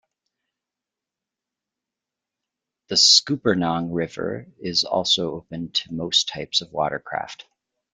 The Scuppernong River is also open to most types of watercraft.